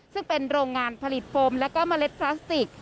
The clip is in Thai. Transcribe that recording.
ซึ่งเป็นโรงงานผลิตโฟมแล้วก็เมล็ดพลาสติก